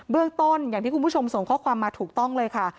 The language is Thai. เรื่องต้นอย่างที่คุณผู้ชมส่งข้อความมาถูกต้องเลยค่ะ